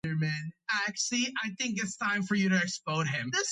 სოციოლოგია იკვლევს ადამიანური ცხოვრების ორგანიზების გზებს.